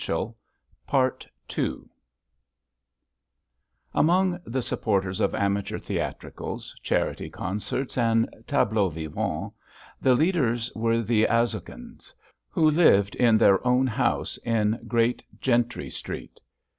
II Among the supporters of amateur theatricals, charity concerts, and tableaux vivants the leaders were the Azhoguins, who lived in their own house in Great Gentry house the Street.